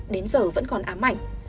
đến giờ vẫn còn ám ảnh